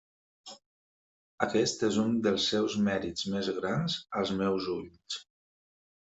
Aquest és un dels seus mèrits més grans als meus ulls.